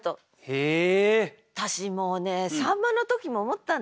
へえ！